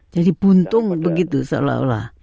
jadi buntung begitu seolah olah